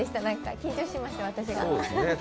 緊張しました、私が。